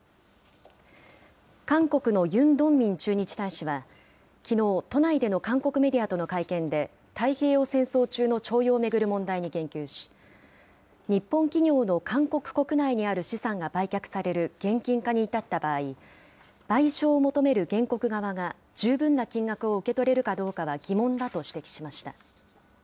韓国のユン・ドンミン駐日大使は、きのう、都内での韓国メディアとの会見で、太平洋戦争中の徴用を巡る問題に言及し、日本企業の韓国国内にある資産が売却される現金化に至った場合、賠償を求める原告側が十分な金額を受け取れるかどうかは疑問だと指摘しました。